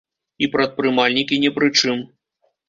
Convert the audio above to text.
І прадпрымальнікі не пры чым.